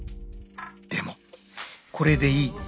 ［でもこれでいい］